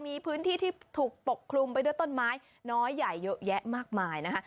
มีพื้นที่ที่ถูกปกคลุมไปด้วยต้นไม้น้อยใหญ่เยอะแยะมากมายนะคะ